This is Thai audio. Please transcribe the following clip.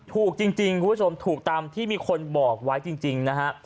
ถูกจริงคุณผู้ชมถูกตามที่มีคนบอกไว้จริงนะฮะ